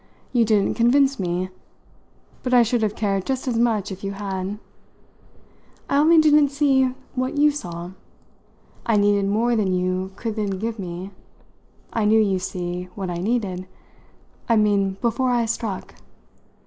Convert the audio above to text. You didn't convince me, but I should have cared just as much if you had. I only didn't see what you saw. I needed more than you could then give me. I knew, you see, what I needed I mean before I struck!